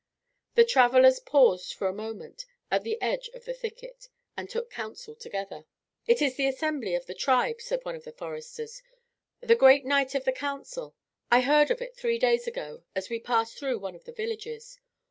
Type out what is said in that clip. The travellers paused for a moment at the edge of the thicket, and took counsel together. "It is the assembly of the tribe," said one of the foresters, "the great night of the council. I heard of it three days ago, as we passed through one of the villages.